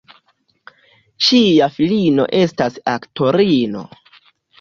Ŝia filino estas aktorino.